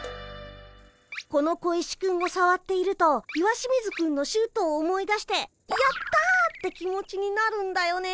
この小石くんをさわっていると石清水くんのシュートを思い出してやった！って気持ちになるんだよね。